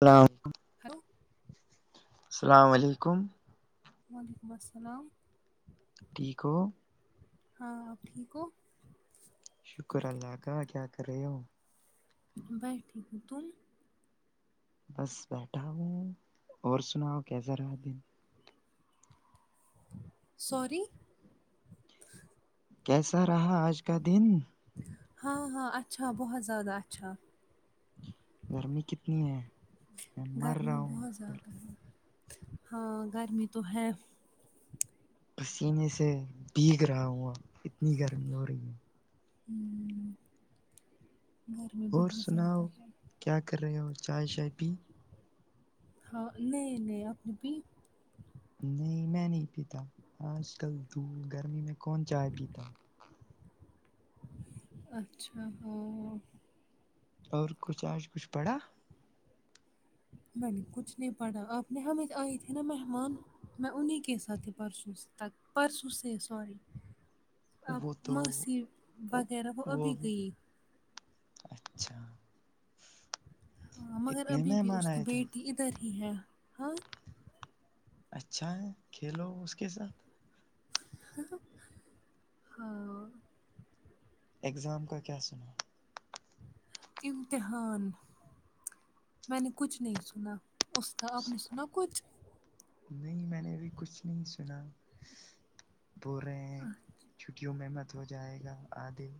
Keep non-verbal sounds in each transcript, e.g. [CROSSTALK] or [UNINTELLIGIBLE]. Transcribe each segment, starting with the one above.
سلام ہلو السلام علیکم وعلیکم السلام ٹھیک ہو ہاں آپ ٹھیک ہو شکر اللہ کا کیا کر رہے ہو بیٹھے تم بس بیٹھا ہوں اور سناؤ کیسا رہا دن سوری کیسا رہا آج کا دن ہاں ہاں اچھا بہت زیادہ اچھا گرمی کتنی ہے میں مر رہا گرمی ہوں بہت زیادہ ہے ہاں گرمی تو ہے پسینے سے بھیگ رہا ہوا اتنی گرمی ہو رہی ہے ہوں اور سناؤ کیا کر رہے ہو چائے شائے پی ہاں نہیں نہیں اپنی پی نہیں میں نہیں پیتا آج کل دور گرمی میں کون چائے پیتا اچھا ہاں اور کچھ آج کچھ پڑھا میں نے کچھ نہیں پڑھا آپ نے ہمیں آئی تھی نا مہمان میں انہیں کے ساتھ ہی پرسوں تک پرسوں سے سوری [INAUDIBLE] اب تو موسی وغیرہ وہ ابھی گئی اچھا ہاں مگر اتنے ابھی بھی مہمان اس کی آئے تھے بیٹی ادھر ہی ہے ہاں اچھا ہے کھیلو اس کے ساتھ ہاں اگزام کا کیا سنا ہے امتحان میں نے کچھ نہیں سنا اس کا آپ نے سنا کچھ نہیں نہیں میں نے ابھی کچھ نہیں سنا بو ر رہے ہیں چھٹیوں میں مت ہو جائے گا آدھے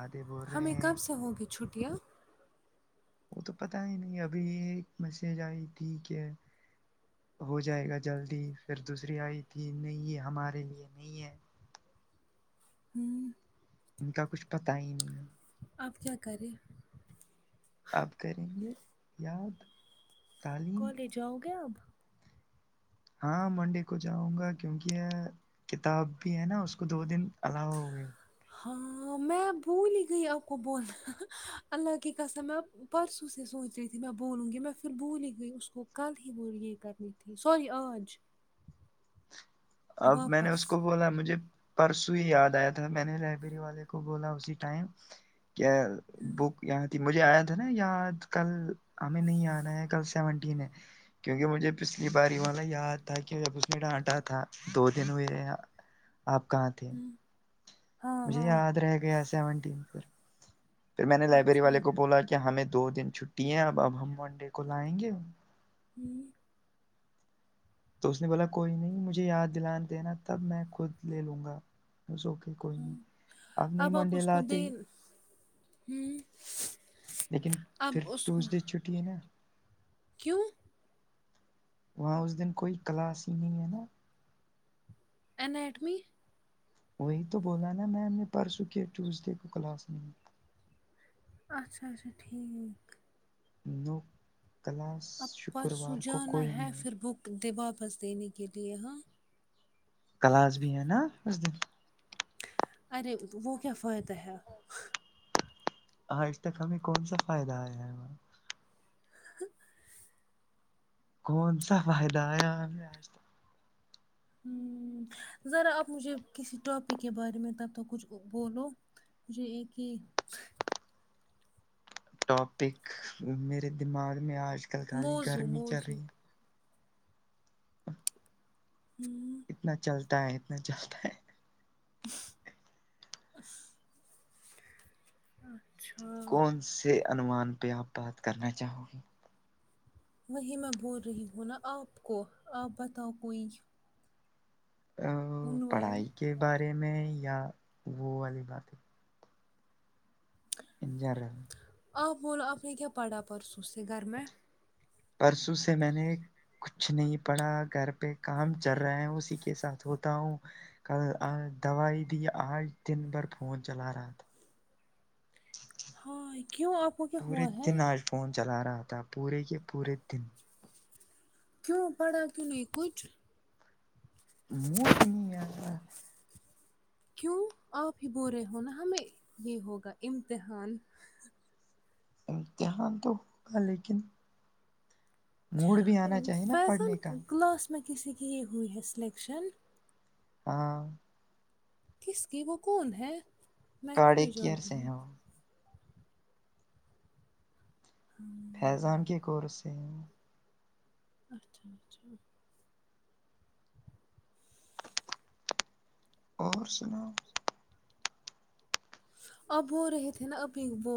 آدھے بول رہے ہمیں ہیں کب سے ہوں گی چھٹیاں وہ تو پتہ ہی نہیں ابھی ایک میسج آئی تھی کہ ہو جائے گا جلدی پھر دوسری آئی تھی نہیں یہ ہمارے لیے نہیں ہے ہوں ان کا کچھ پتہ ہی نہیں ہے اب کیا کر یں اب کریں گے یاد تعلیم کالج آؤ گے اب ہاں منڈے کو جاؤں گا کیونکہ یہ کتاب بھی ہے نا اس کو دو دن الاؤ ہوئے ہاں میں بھول ہی گئی آپ کو بولنا اللہ کی قسم میں پرسوں سے سوچ رہی تھی میں بولوں گی میں فر بھول ہی گئی اس کو کل ہی وہ یہ کرنی تھی سوری آج اب میں نے واپس اس کو بولا مجھے پرسوں ہی یاد آیا تھا میں نے لائبریری والے کو بولا اسی ٹائم کیا بک یہاں تھی مجھے آیاتھا نا یاد کل ہمیں نہیں آنا ہے کل سیونٹین ہے کیونکہ مجھے پچھلی یہ باری والا یاد تھا کہ جب اس نے ڈانٹا تھا دو دن ہوئے یا ہوں ہاں مجھے ہاں یاد رہ گیا سیون ٹین پھر میں نے لائبریری اچھا والے کو بولا کیا ہمیں دو دن چھٹی ہے اب اب ہم منڈے کو لائیں گے ہوں تو اس نے بولا کوئی نہیں مجھے یاد دلا دینا تب میں خود لے لوں گا اٹس اوکے کوئی ہ نہیں نہیں اب آپ منڈے اس کو دے لاتے ہ لیکن پھر کو ٹیوزڈے چھٹی ہے نا کیوں وہاں اس دن کوئی کلاس ہی نہیں ہے نا اینیٹمی وہی تو بولا نا میں نے پرسوں کے ٹیوزڈے کو کلاس نہیں اچھا اچھا ٹھیک تو کلاس اب پرسوں شکروار کو جانا کوئی ہے نہیں فر بک دے واپس دینے کے لیے ہاں کلاس بھی ہے نا اس دن ارے وہ کیا فائدہ ہے آ ج تک ہمیں کون سا فائدہ آیا ہے ہ کون سا فائدہ آیا ہمیں آج تک ہ ذرا آپ مجھے کسی ٹاپک کے بارے میں تب تک کچھ بولو جی ایک کہ ٹاپک میرے دماغ میں آج کل خالی موزوں گرمی چل موزوں رہی ہ ہوں اتنا چلتا ہے اتنا چلتا ہے اچھا کون سے انوومان پہ آپ بات کرنا چاہو گے وہی میں بول رہی ہوں نا آپ کو آپ بتاؤ کوئی عنوان پڑھائی کے بارے میں یا وہ والی بات ہے گیارہ آپ بولو آپ نے کیا پڑھا پرسوں سے گھر میں پرسوں سے میں نے کچھ نہیں پڑا گھر پہ کام چل رہا ہے اسی کے ساتھ ہوتا ہوں کل دوائی دی آج دن بھر فون چلا رہا تھا ہائے کیوں آپ کو کیا پورے ہوا ہے دن آج فون چلا رہا تھا پورے کے پورے دن کیوں پڑھا کیوں نہیں کچھ موڈ ہی نہیں ایا کیوں آپ ہی بول رہے ہو نا ہمیں یہ ہوگا امتحان امتحان تو ہوگا لیکن موڈ بھی آنا چاہیے نا فیضان پڑھنے کا کلاس میں کسی کی یہ ہوئی ہے سلیکشن ہاں کس کی وہ کون ہے میں کیوں کاڑے نہیں کیئر جانتی سے ہوں ہیں وہ ہاں فیضان کے کورس سے اچھا اچھا اور سناؤ اب وہ رہے تھے نا ابھی وہ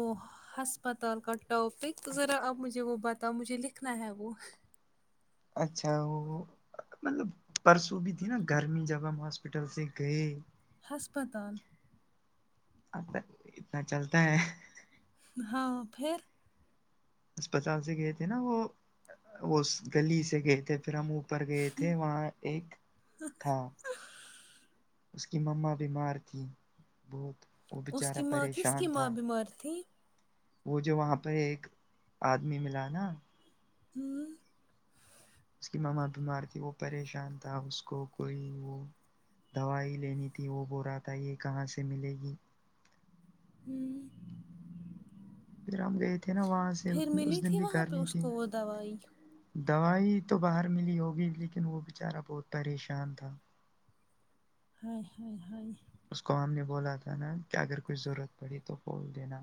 ہسپتال کا ٹاپک ذرا اب مجھے وہ بتاؤ مجھے لکھنا ہے وہ اچھا وہ مطلب پرسوں بھی تھی نا گرمی جب ہم ہاسپٹل سے گئے ہسپتال ا اتنا چلتا ہے ہاں پھر اسپتال سے گئے تھے نا وہ وہ گلی سے گئے تھے پھر ہم پر گئے تھے وہاں ایک تھا اس کی مما بیمار تھی بہت وہ اس بیچارہ کی ماں کس کی پریشان ماں تھا بیمار تھی وہ جو وہاں پہ ایک آدمی ملا نا ہوں اس کی ماما بیمار تھی وہ پریشان تھا اس کو کوئی وہ دوائی لینی تھی وہ بول رہا تھا یہ کہاں سے ملے گی ہوں پھر ہم گئے تھے نا وہاں سے اس دن تھی بھی وہاں پہ گرمی اس تھی کو وہ دوائی دوائی تو باہر ملی ہوگی لیکن وہ بچارا بہت پریشان تھا ہائے ہاے ہاے اس کو ہم نے بولا تھا نا کہ اگر کوئی ضرورت پڑی تو کھول دینا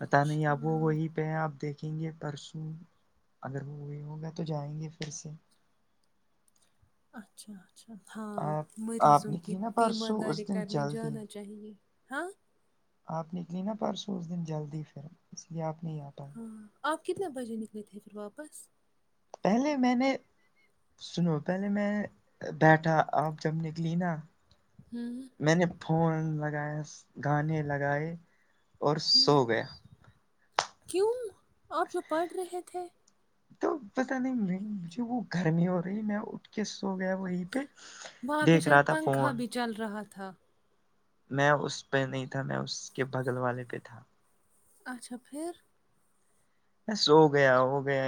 پتا نہیں آب وہ وہی پہ آپ دیکھیں گے پرسوں اگر وہ وہی ہوگا تو جائیں گے فھر سے اچھا اچھا ہاں آپ آپ مریضوں کی نکلی نا پرسوں تیمارداری اس دن کرنے جلدی جانا چاہیے ہاں آپ نکلی نا پرسوں اس دن جلدی ہی پھر اس لیے آپ نہیں آپا ہاں آپ کتنے بجے نکلے تھے پھر واپس پہلے میں نے سنو پہلے میں بیٹھا آپ جب نکلی نا ہوں میں نے پھون لگایا گانے لگائے اور ہوں سو گیا کیوں آپ جو پڑھ رہے تھے تو پتہ نہیں میں مجھے وہ گھر میں ہو رہی میں اٹھ کہ سو گیا وہیں پہ وہاں پہ دیکھ رہا شاید تھا پنکھا فون بھی چل رہا تھا میں اس پہ نہیں تھا میں اس کے بگل والے پہ تھا اچھا پھر بس سو گیا ہو گیا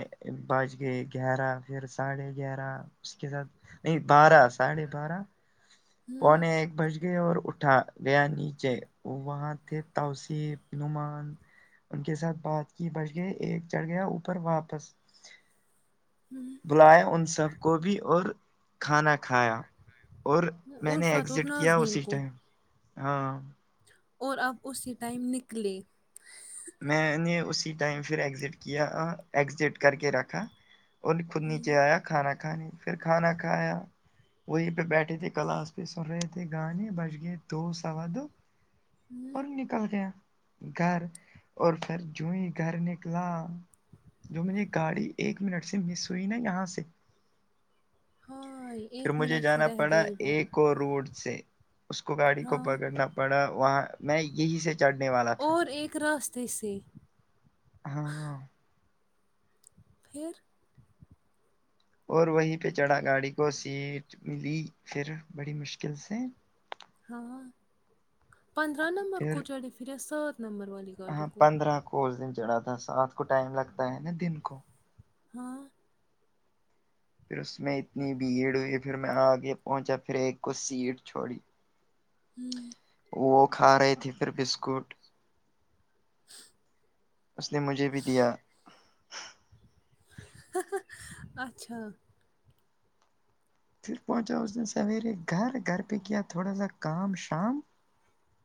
بج گیے گیارہ پھر ساڑھے گیارہ اس کے ساتھ نہیں بارہ ساڑھے بارہ ہوں پونے ایک بج گئے اور اٹھا گیا نیچے وہاں تھے توصیف نعمان ان کے ساتھ بات کی بچ گئے ایک چڑھ گیا اوپر واپس بلایا ان سب کو بھی اور کھانا کھایا اور میں نے الفت اور ایگزٹ کیا نازنین اسی کو ٹائم ہاں اور آپ اسی ٹائم نکلے میں نے اسی ٹائم فر ایگزٹ کیا ا ایگزٹ کر کے رکھا اور خود نیچے آیا کھانا کھانے پھر کھانا کھایا وہیں پہ بیٹھے تھے کلاس پہ سن رہے تھے گانے بچ گئے دو سوا دو ہوں اور نکل گیا گھر اور پھر جوں گھر نکلا جو میری گاڑی ایک منٹ سے مس ہوئی نا یہاں سے ہا یئی پھر مجھے جانا پڑا ایک اور روڈ سے اس کو گاڑی کو ہاں پکڑنا پڑا وہاں میں یہی سے چڑھنے والا تھا اور ایک راستے سے ہاں پھر اور وہیں پہ چڑھا گاڑی کو سیٹ ملی پھر بڑی مشکل سے ہاں پندرہ نمبر پھر کو چڑھے پھریا سات نمبر والے ہاں پندرہ کو اس دن چڑھا تھا سات کو ٹائم لگتا ہے نا دن کو ہاں پھر اس میں اتنی بھیڑ ہوئی پھر میں آگے پہنچا پھر ایک کو سیٹ چھوڑی ہوں وہ کھا رہے تھے پھر بسکٹ اس نے مجھے بھی دیا اچھا پھر پہنچا اس دن سویرے گھر گھر پہ کیا تھوڑا سا کا م شام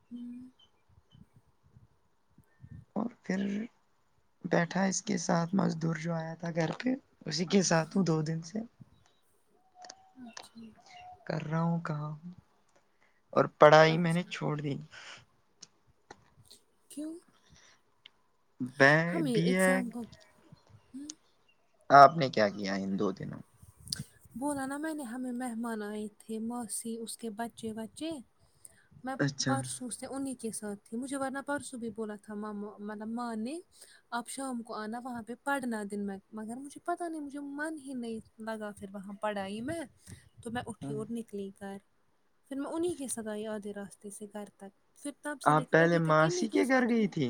ہوں اور پھر بیٹھا اس کے ساتھ مزدور جو آیا تھا گھر پہ اسی کے ساتھ ہوں دو دن سے اچھا کر رہا ہوں کام اور پڑھائی میں نے اچھا چھوڑ دی کیوں بے ہمیں بی ایگ ایگزام کو آپ نے کیا کیا ان دو دنوں بولا نا میں نے ہمیں مہمان آئے تھے ماسی اس کے بچے وچے میں اچھا پرس سوں انہیں کے ساتھ تھی مجھے ورنہ پرسوں بھی بولا تھا م مطلب ماں نے آپ شام کو آنا وہاں پہ پڑھنا دن میں مگر مجھے پتہ نہیں مجھے من ہی نہیں لگا پھر وہاں پڑھ آ ئی میں تو میں اٹھی اور ن نکلی گھر پھر میں انہیں کے ساتھ ائی آدھے راستے سے گھر تک پھر تب سے آپ لے کے پہلے ابھی تک انہیں ماسی کے گھر ساتھ گئی ہوں تھی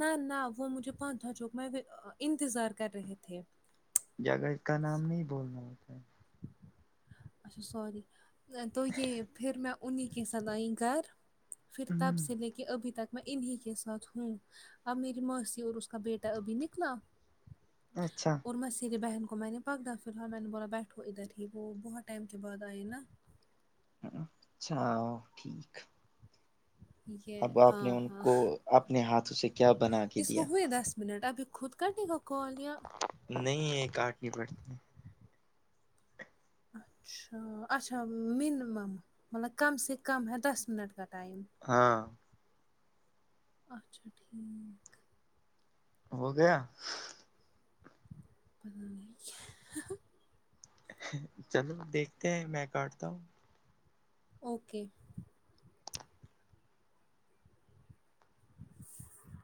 نہ نہ وہ مجھے پانچ دھ چوک میں انتظار کر رہے تھے جگہ کا نام نہیں بولنا اچھا سوری تو یہ پھر میں انہیں کی س لائی گھر پھر تب سے ہ لے کے ابھی تک میں انہیں کے ساتھ ہوں اب میری ماسی اور اس کا بیٹا ابھی نکلا اچھا اور موسیری بہن کو میں نے پکدا فیر ہاں میں نے بولا بیٹھو ادھر ہی وہ بہت ٹائم کے بعد آئے نا اچھا ٹھیک یہ اب آپ ہاں نے ان ہاں کو اپنے ہاتھوں سے کیا بنا کے اس کو دیا ہوئے دس منٹ ابھی خود کردی وہ کال یاں نہیں یہ کاٹنی پڑتی ہے اچھا اچھا منیمم مطلب کم سے کم ہے دس منٹ کا ٹائم ہاں اچھا ٹھیک ہو گیا پت نہیں ہے [UNINTELLIGIBLE] چلو نا دیکھتے ہیں میں کاٹتا ہوں اوکے